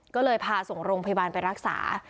ก็เลยพาส่งโรงพยาบาลไปรักษา